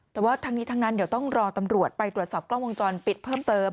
แต่ว่าทั้งนี้ทั้งนั้นเดี๋ยวต้องรอตำรวจไปตรวจสอบกล้องวงจรปิดเพิ่มเติม